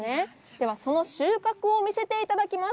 では、その収穫を見せていただきます。